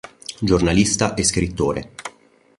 Giornalista e scrittore.